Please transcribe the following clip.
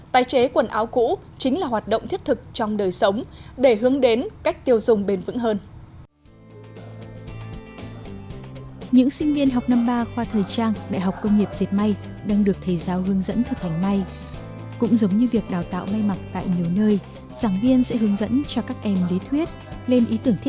tài chế quần áo cũ chính là hoạt động thiết thực trong đời sống để hướng đến cách tiêu dùng bền vững hơn